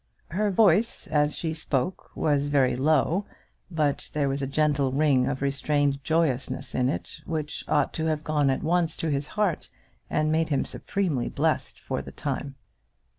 Her voice as she spoke was very low, but there was a gentle ring of restrained joyousness in it which ought to have gone at once to his heart and made him supremely blessed for the time.